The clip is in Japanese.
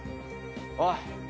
おい。